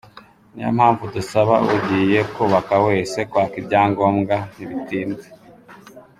Niyo mpamvu dusaba ugiye kubaka wese kwaka ibyangombwa, ntibitinda.